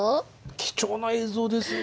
貴重な映像ですね。